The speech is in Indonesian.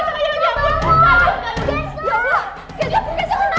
kan kita harus jauh ke rumah saya ya